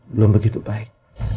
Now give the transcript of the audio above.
belum begitu baik